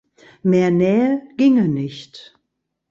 Mehr Nähe ginge nicht.